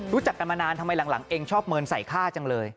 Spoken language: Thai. รู้จักกันมานานทำไมหลังเองชอบเมินใส่ค่าจังเลย